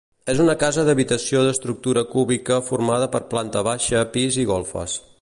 És una casa d'habitació d'estructura cúbica formada per planta baixa, pis i golfes.